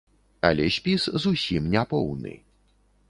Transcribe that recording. Але спіс зусім не поўны.